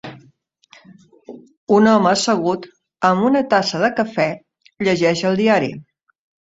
Un home assegut amb una tassa de cafè llegeix el diari.